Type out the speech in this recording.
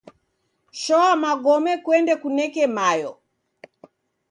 Shoa magome kuende kuneke mayo.